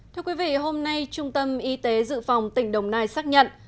thưa quý vị hôm nay trung tâm y tế dự phòng tỉnh đồng nai xác nhận